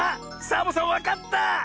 サボさんわかった！